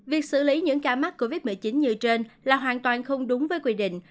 việc xử lý những ca mắc covid một mươi chín như trên là hoàn toàn không đúng với quy định